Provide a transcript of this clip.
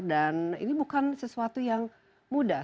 dan ini bukan sesuatu yang mudah